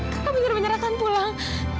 kak kakak benar benar akan pulang